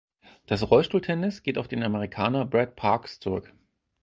Das Rollstuhltennis geht auf den Amerikaner Brad Parks zurück.